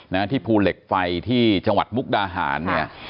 นะฮะที่ภูเหล็กไฟที่จังหวัดมุกดาหารเนี่ย